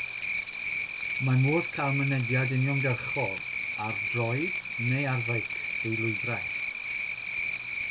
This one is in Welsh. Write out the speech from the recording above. Mae modd cael mynediad uniongyrchol ar droed neu ar feic drwy lwybrau.